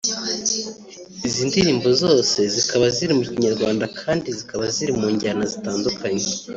Izi ndirimbo zose zikaba ziri mukinyarwanda kandi zikaba zirimunjyana zitandukanye